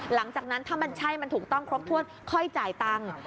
หลังจากนั้นถ้ามันใช่มันถูกต้องครบถ้วนค่อยจ่ายตังค์